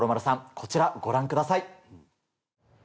こちらご覧ください。